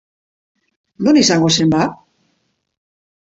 Non izango zen ba?